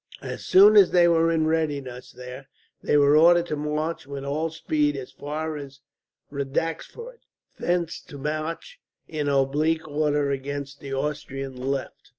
As soon as they were in readiness there, they were ordered to march with all speed as far as Radaxford, thence to march in oblique order against the Austrian left.